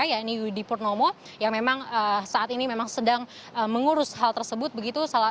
ya ini yudi purnomo yang memang saat ini memang sedang mengurus hal tersebut begitu